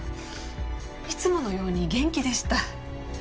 いつものように元気でした。